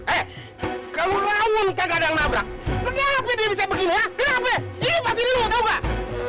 eh kalau raul kan gak ada yang nabrak kenapa dia bisa begini ya kenapa ini pasti dulu tau gak